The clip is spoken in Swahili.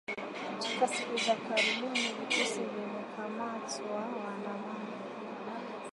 Katika siku za karibuni vikosi vimewakamata waandamanaji wengi vikilenga viongozi katika makundi pinzani